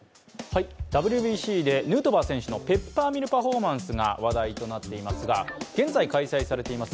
ＷＢＣでヌートバー選手のペッパーミルパフォーマンスが話題となっていますが現在開催されています